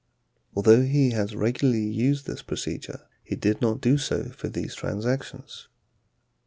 Although he has regularly used this procedure, he did not do so for these transactions.